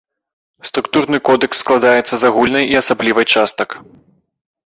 Структурна кодэкс складаецца з агульнай і асаблівай частак.